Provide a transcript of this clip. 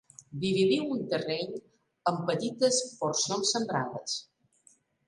Dividiu un terreny en petites porcions sembrades.